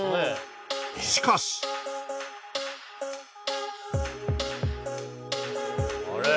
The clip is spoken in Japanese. しかしあれ？